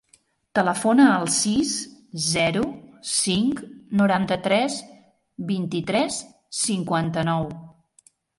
Telefona al sis, zero, cinc, noranta-tres, vint-i-tres, cinquanta-nou.